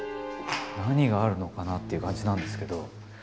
何があるのかなっていう感じなんですけど。